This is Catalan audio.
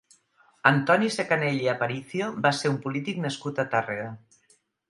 Antoni Secanell i Aparicio va ser un polític nascut a Tàrrega.